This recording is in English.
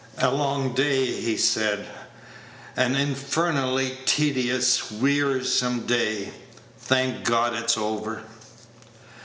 "A long day," he said; "an infernally tedious, wearisome day. Thank God, it's over."